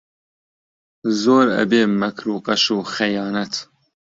زۆر ئەبێ مەکر و غەش و خەیانەت